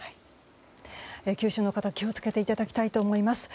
九州の方、気を付けていただきたいと思います。